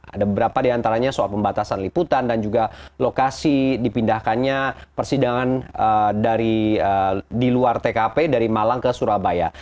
ada beberapa diantaranya soal pembatasan liputan dan juga lokasi dipindahkannya persidangan di luar tkp dari malang ke surabaya